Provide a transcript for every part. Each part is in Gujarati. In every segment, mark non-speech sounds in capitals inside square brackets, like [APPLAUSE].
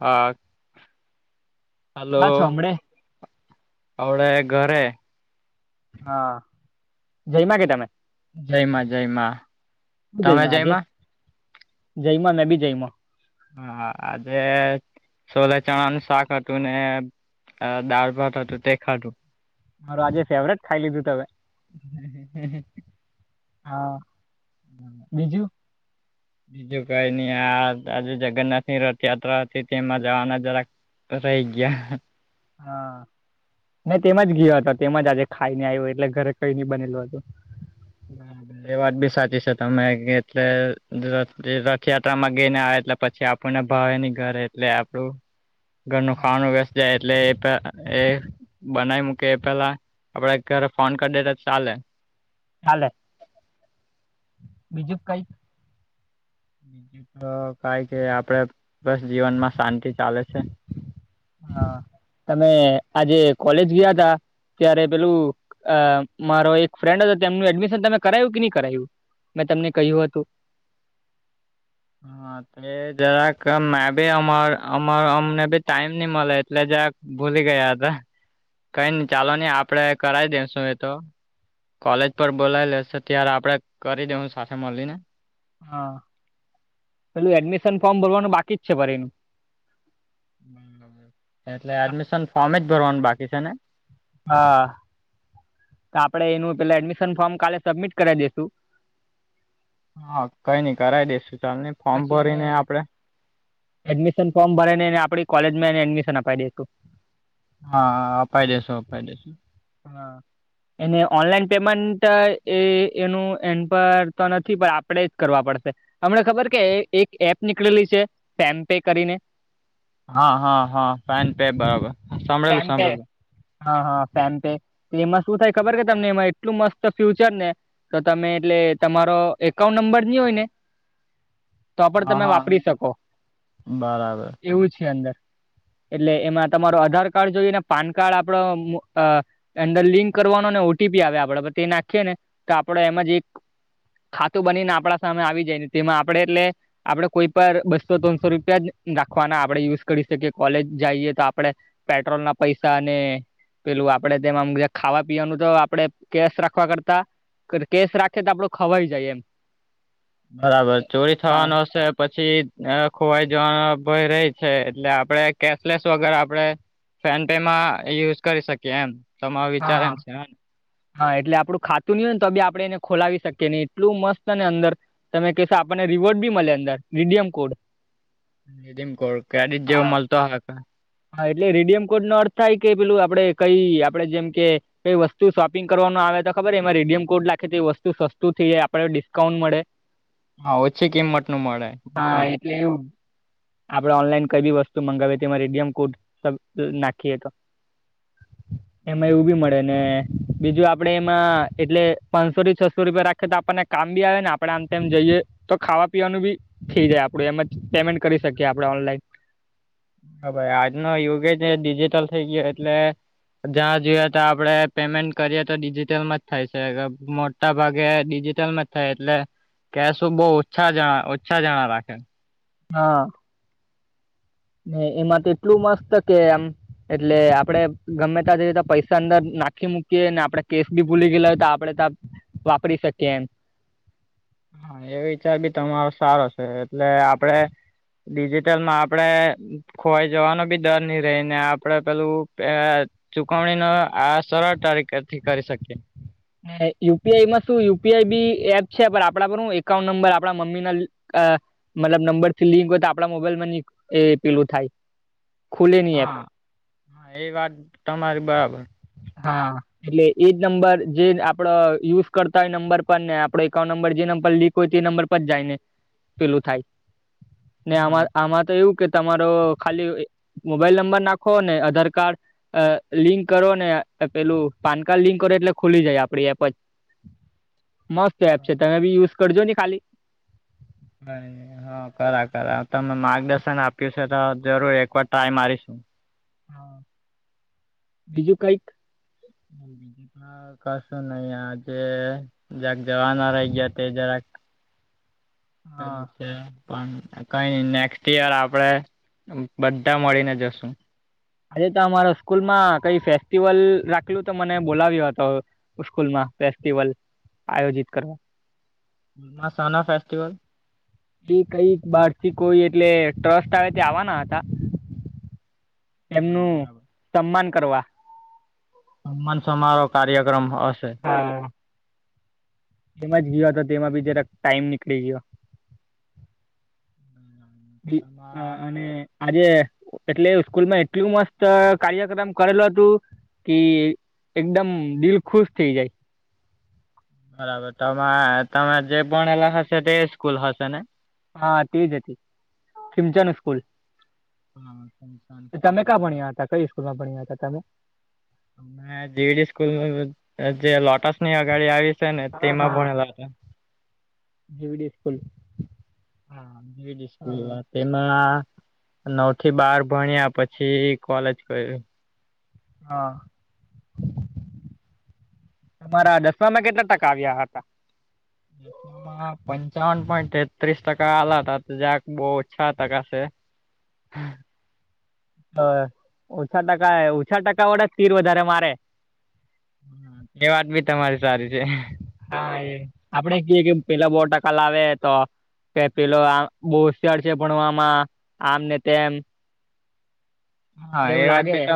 હા, હા હલો. છોમડે આપણે ઘરે. હા, જઈમાંગ તમે? જયમાં જયમાં તમે જયમા? જયમાં નબી જયમાં. હા આજે સોલે ચણા નું શાક હતું ને દાળ ભત હતું તે ખાધું. મારું આજે ફેવરેટ ખાઈ લીધું ત હવે. હ [UNINTELLIGIBLE] હા, બીજું? [INAUDIBLE] બીજું કઈ નહ આ આજે જગન્નાથ ની રથયાત્રા હતી તેમાં જવાના જરાક રહી ગયા. હા, તેમાંજ ગયો હતો તેજ આજે ખાઈ ને આવ્યું એટલે ઘરે કઈ નઈ બનેલું હતું. એ વાત બી સાચી છે તમે એટલે રથયાત્રામાં ગઈને આવે એટલે પછી આપણ ના ભાવેની ઘરે એટલે, આપડું ઘરનું હા ખાવાનું જ એટલે એ એ બનાવી મૂકી એ પેલા, આપડે ઘરે ફોન કરી દેટ ચાલે. ચાલે. બીજું કઈક. બીજું તો કઈ કે આપડે બસ જીવનમાં શાંતિ ચાલે છે. હા, તમે આજે કોલેજ ગયા તા? ત્યારે પેલું અ મારો એક ફ્રેન્ડ હતો તેમનું એડમિશન તમે કરાયું કે નહી કરાયું? મેં તમને કહ્યું હતું. હા. એ જરાક મે ભી અમાર અમાર અમને બી ટાઈમ નહી મળે એટલે જરાક ભૂલી ગયા હતા, કઈ ન ચાલો નહી આપડે કરાઈ દે શું એતો. કોલેજ પર બોલાવી લેશે ત્યારે આપડે કરી દે હું સાથે મળીને. હા, પેલું એડમિશન ફોર્મ ભરવાનું બાકી જ છે ભરે એનું. બબ એટલે એડમિશન ફોર્મ જ ભરવાનું બાકી છે ને? હા. તો આપડે એનું પેલા એડમિશન ફોર્મ કાલે સબમિટ કરીવ દેસું. હા કઈ નઈ કરાવી દેશુ ચાલ નઈ ફોર્મ પછી એને ભરી ને આપડે એડમિશન ફોર્મ ભરી ને એને આપણી કોલેજ માં એને એડમિશન અપી દેસુ. હા અપાય દસો અપાય દસો. હા. એને ઓનલાઈન પેમેન્ટ એ એનું એન પર તો નથી પણ આપણેે જ કરવા પડશે. અમને ખબર કે એક એપ નીકળેલી છે, પેમ પે કરીને. હા હા હા પેન પે બરાબર. સાંભળેલું પેનપે. સાંભળેલું હા હા ફેન પે, એમાં શું થાય ખબર કે તમને એમાં એટલું મસ્ત ફ્યુચર ને. તો તમે એટલે તમારો એકાઉન્ટ નંબર નની હોય ને. [INAUDIBLE] તો પણ તમે હા વાપરી શકો. બરાબર એવું છે અંદર, એટલે એમાં તમારોું આધાર કાર્ડ જોઈને પાન કાર્ડ આપડો અંદર લિંક કરવાનો ને ઓ ટી પી આવે આપડા પર તે નાખીએ ને તો આપડે એમાં જે ખાતું બનીને આપણા સામે આવી જાય ને તેમાં આપડે એટલે આપડે કોઈ પર બસો ત્રણસો રૂપિયા જ નાખવાના આપણે યુઝ કરી શકીએ કોલેજ જઈએ તો આપણેે પેટ્રોલ ના પૈસા અને પેલું આપડે તેમ ખાવા પીવાનું તો આપડે કેસ રાખવા કરતા કેસ રાખે તો આપડો ખવાઈ જાય એમ બરાબર ચોરી હા થવાનું હશે પછી ખોવાઈ જવાનો ભય રહી છે એટલે આપડે કેશલેસ વગર આપડે ફેમ પે માં યુઝ કરી શકીએ એમ તમારો વિચાર હા એમ છે હા એટલે આપું ખાતું નહી હોય ને તો ત બી આપડે એને ખોલાવી શકીએ ને એટલું મસ્ત અને અંદર તમે કશો આપણને રિવોર્ડ બી મળે અંદર redeem code redeem code credit જેવો હા. મળતો ઓહે હા એટલે રેડિયમ કોડ નો અર્થ થાય કે પેલું આપડે કઈ આપડે જેમ કે એ વસ્તુ શોપિંગ કરવાનું આવે તો ખબર એમાં રેડિયમ કોડ લખે તો એ વસ્તુ સતું થઈ જાય આપડને ડિસ્કાઉન્ટ મળે હા ઓછી કિંમત નું મળે હા કેવું આપડે ઓનલાઈન કઈ બી વસ્તુ મંગાવીએ તે રિડીમ કોડ નાખીએ તો એમાં એવું બી મળે ને બીજું આપડે એમાં એટલે પાંચસો થી છસો રૂપિયા રાખીએ તો આપણને કામ બી આવે ને આપડે આમ તેમમ જઈએ તો ખાવા પીવાનું બી થઈ જાય આપડ એમજ પેમેન્ટ કરી શકીએ આપણે ઓનલાઈન હા ભાઈ આજનો યુગ જ ડિજિટલ થઈ ગયો એટલે જ્યાં જોઈએ તો આપડે પેમેન્ટ કરીએ તો ડિજિટલમાં જ થાય છે મો મોટા ભાગે ડિજિટલ માં થાય એટલે કે શું બહુ ઓછા જણા ઓછા જણા રાખે હા ને એમાં તો એટલું મસ્ત કે આમ એટલે આપડે ગમે ત જે રતે પૈસા અંદર નાખી મૂકીએ ને આપડે કેસ બી ભૂલી ગયેલા હોય તો આપડે તા વાપરી શકીએ એમ હા એ વિચાર બી તમારો સારો છે એટલે આપડે ડિજિટલમાં આપડે ખોવાઈ જવાનો બી ડર ની રહી ને આપડે પેલું ચુકવણી નો આ સરળ તારીખથી કરી શકીએ ને યુપીઆઈ માં શું યુપીઆઈ બી એપ છે પણ આપડા પર હું એકાઉન્ટ નંબર આપણા મમ્મી ના અ મતલબ નંબર ફીલીગ હોય તો આપડા મોબાઈલમાં ન એ પેલું થાય ખુલે ની એપ હા એ વાત તમારી બરાબર હા એટલે એજ નંબર જે આપડો યુઝ કરતા હોય નંબર પર ને આપડો એકાઉન્ટ નંબર જે નંબર લી કોઈ તે નંબર પર જાયને પેલું થાય ને હા આમાં આમાં તો એવું કે તમારો ખાલી મોબાઈલ નંબર નાખો ને આધાર કાર્ડ અ લિંક કરો ને પેલું પાન કાર્ડ લિંક કરે એટલે ખુલી જાય આપડી એપ જ મસ ત એપ છે તમે બી યુઝ કરજો ને ખાલી હ હા કરા કર તમે માર્ગદર્શન આપ્યું છે તો જરૂર એકવાર ટ્રાય મારીશ હા બીજું કઈક [INAUDIBLE] હા કશું નહી આજે જક જવાના રહી ગયા તે જરાક હા અછા પણ કઈ નેક્સ્ટ યર આપડે બધા મળીને જશું આજે તો અમારા સ્કૂલ માં કઈ ફેસ્ટિવલ રાખલું તો મને બોલાવ્યો હતો સ્કૂલમાં ફેસ્ટિવલ આયોજિત કરવા સના ફેસ્ટિવલ એ કઈ બારસી કોઈ એટલે ટ્રસ્ટ આવે ત આવવાના હતા. હા એમનું બરાબર. સન્માન કરવા સન્માન સમારોહ કાર્યક્રમ હશે હા એમાં જ ગયો તો તેમાં બી જરાક ટાઈમ નીકળી ગયો હ તમારા આમ અને આજે એટલે સ્કૂલમાં એટલું મસ્ત કાર્યક્રમ કરેલો હતુ. કે એકદમ દિલ ખુશ થઇ જાય. બરાબર તમારે તમે જે ભણેલા હશે તે સ્કૂલ હશે ને હા તેજ હતી ખિમચ નું સ્કૂલ. હા સંસ સ્કૂલ તમે બ ક્યાં ભણ્યા હતા કઈ તમે અમે દીડી સ્કૂલ જે લોટસ ની અગાડી આવી છે ને હા તેમાં હા. ભણેલા હતા. જીવીડી સ્કૂલ. હાજ સ્કૂલ વાત તેમાં નવ થી બાર ભણ્યા પછી કોલેજ કર્યું હા. [INAUDIBLE] તમારા દસમામાં કેટલા ટકા આવ્યા હતા. [INAUDIBLE] હ પંચાવન પોઈન્ટ તેત્રીસ ટકા આલા હતા તો જક બહ છ ટકા છે. [INAUDIBLE] હ ઓછા ટકા ઓછા ટકા વળે તીર વધારે મારે એ વાત બી તમારી સારી છે. હા એ આપડે ક કે પેલા બો ટકા લાવે તો કે પેલો આ બહુ હોશિયાર છે, ભણવામાં આમ ને તેમ પણ હા એ એવું વાત લાગે ભી તો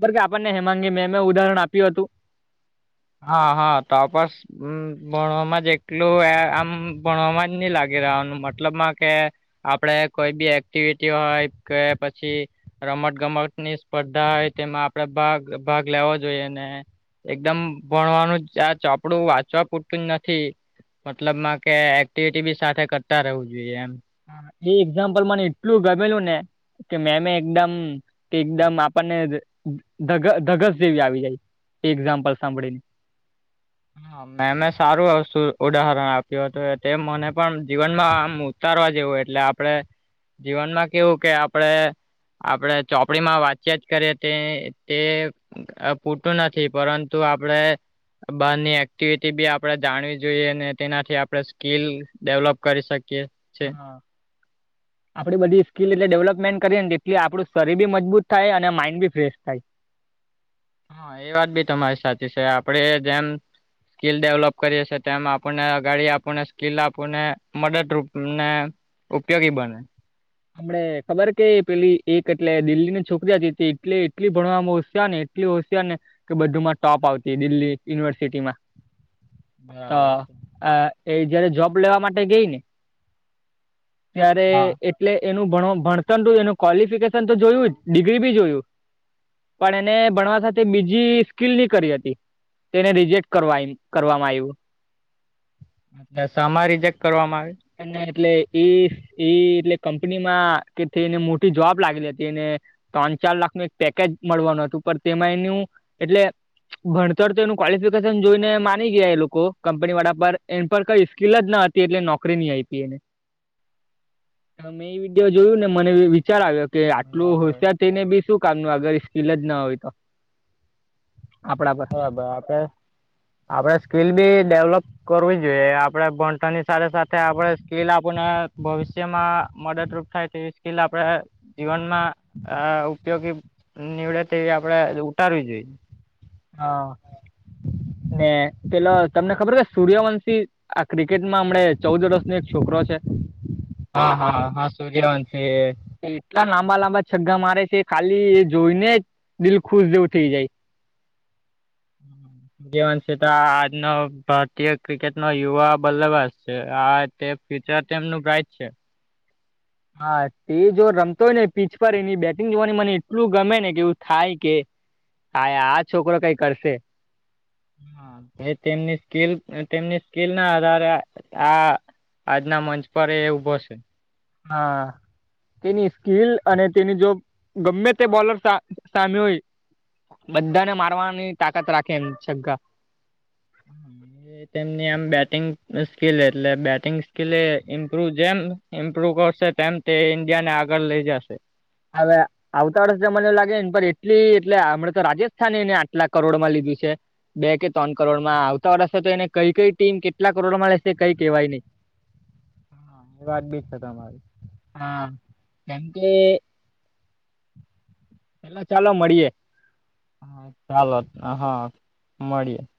ખ કે આપણને હેમાંંગી મે મે ઉદાહરણ આપ્યું હતું. હા હા તો આપપસ હમ ભણવામાં જ એટલું આમ ભણવામાં જ નહી લાગી રહનું મતલબમાં કે આપડે કોઈ બી એક્ટિવિટી હોય કે પછી રમત ગમત ની સ્પર્ધા હોય, તેમાં આપડે ભાગ ભાગ લેવો જોઈએ ને એકદમ ભણવાનું આ ચોપડું વાંચવા પૂરતું જ નથી. મતલબ માં કે એક્ટિવિટી બી સાથે કરતા રહેવું જોઈએ એમ હતું એ એક્ઝામ્પલ મને એટલું ગમેલું ને કે મેમે એકદમ કે એકદમ આપણને ધગસ જેવી આવી જાય. એક્ઝામ્પલ સાંભળીને મેમે સારું વતુ ઉદાહરણ આપ્યું હતું, તે મને પણ જીવનમાં આમ ઉતારવા જેવું એટલે આપડણે જીવનમાં કેવું કે આપડણે. આપડે ચોપડીમાં વાતચીત કરીએ તે તે પૂતું નથી પરંતુ આપડે બહારની એક્ટિવિટી બી આપણે જાણવી જોઈએ અનેને તેનાથી આપણે સ્કીિલ ડેવલોપ કરી શકીએ. છે. હા [INAUDIBLE] આપડી બધી સ્કીલ એટલે ડેવલપમેન્ટ કરીએ ને એટલી આપણું શરીર બી મજબૂત થાય અને માઇન્ડ બી ફ્રેશ થાય. હા એ વાત બી તમારી સાચી છે, આપડે જેમ સ્કીલ ડેવલોપ કરીએ છીએ તેમ આપણને અગાડી આપને સ્કીિલ આપને મદદ રૂપને ઉપયોગી બને હમને ખબર કે પેલી એક એટલે દિલ્હીની છોકરી હતી તે એટલે એટલી ભણવામા ને- એટલી હોશિયાર ને કે બધું માં ટોપ આવતી દિલ્હી યુનિવર્સિટીમાં. તો બરાબર છે આ એ જયારે જોબ લેવા માટે ગઈ ને. ત્યારે હા એટલે એનું ભણતર એનું ક્વલિફિકેશન તો જોયું જ ડિગ્રી બી જોયુ પણ એને ભણવા સાથે બીજી સ્કીલ ની કરી હતી. તેને રિજેક્ટ કરવા કરવામાં આવ્યું. એ સમા રિજેક્ટ કરવામાં એ એટલે એ એ એટલે કંપની માં કે એને મોટી જોબ લાગેલી હતી એને ત્રણ ચાર લાખ નું એક પેકેજ મળવાનું હતું પણ તેમાં એનું એટલે ભણતર તો એનું ક્વલિફિકેશન જોઈને માની ગયા એ લોકો કંપની વાળા પર એમ પર કહીશ કકીલ જ ન હતી એટ- છોકરીી મેં એ વિડીયો જોયું ને મને વિચાર આવ્યો- કે આટલું આવે બરાબર હોઈ. ને બી શું કામ અગર સ્કીલ જ ના હોય તો આપણા પાસે. બરાબ આપણે આપડે સ્કીલ બી ડેવલોપ. કરવી જોઈએ આપડે ભણતરની સાથે સાથે આપણે સ્કીલ આપણને ભવિષ્યમાં મદદરૂપ થાય વી સ્કીલ આપણે જીવનમાં ઉપયોગી નીવડે તેવી આપડે ઉતારવી જોઈએ. હા ને પેલા તમને ખબર કે સૂર્યવંશી આ ક્રિકેટમાં હમણે ચૌદ વર્ષનોો એક છોકરો છે. હા હા હા સૂર્યવંશી એ છે. એટલા લાંબા લાંબા છગ્ગા મારે છે ખાલી એ જોઈ ને જ દિલ ખુશ જેવું થઇ જાય. હમ [UNINTELLIGIBLE] સૂર્યવંશી આજનો ભારતીય ક્રિકેટ નો યુવા બલ્લેબજ છે. આ તે ફ્યુચર ટટેમ નું ગાઈટ છે. હા તે જો રમતો હોય ને પીચ પર એની બેટિંગ જોવાની મને એટલું ગમે ને કે એવું થાય કે હા આ છોકરો કઈ કરશે એ તેમની સ્કીલ તેમની સ્કીલ ના આધારે આ- આજના મંચ પર એ ઉભો છે. હા- તેની સ્કીિલ અને તેની જો ગમે તે બોલર સામે હોય? બધા ને મારવાની તાકાત રાખે એમ છગ્ગા હમ [UNINTELLIGIBLE] તેમની આમ બેટિંગ સ્કીિલ એટલે બેટિંગ સ્કીિલ એ ઇમ્પ્રુવ જેમ ઇમ્પ્રુવ કરશે તેમ તે ઇન્ડિયા ને આગળ લઇ જાશે- હવે આવતા વર્ષ મને એ લાગે ને પણ એટલી એટલે હમણાં તો રાજસ્થાને એને આટલા કરોડમાં લીધું છે. બે કે ત્રણ કરોડ માં આવતા વર્ષ તો એને કઈ કઈ ટીમ કેટલા કરોડમાં લેશે કઈ કેવાય નહી. હા એ વાત બી છે તમારી હા કેમ કે પેલા ચાલો મળીએે. હ ચાલો હા મળીએે [UNINTELLIGIBLE]